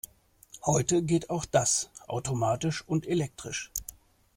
Heute geht auch das automatisch und elektrisch.